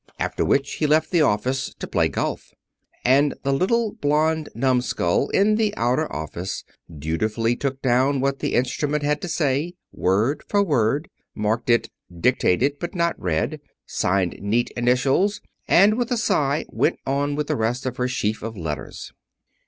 After which he left the office to play golf. And the little blond numbskull in the outer office dutifully took down what the instrument had to say, word for word, marked it, "Dictated, but not read," signed neat initials, and with a sigh went on with the rest of her sheaf of letters.